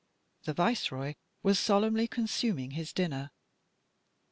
The Viceroy was solemnly consuming his dinner.